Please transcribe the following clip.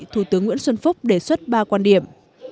thủ tướng nguyễn xuân phúc đề xuất ba quan điểm